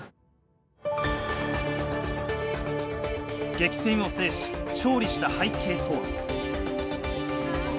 激戦を制し勝利した背景とは？